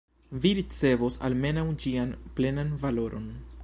Vi ricevos almenaŭ ĝian plenan valoron.